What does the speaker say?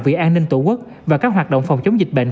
vì an ninh tổ quốc và các hoạt động phòng chống dịch bệnh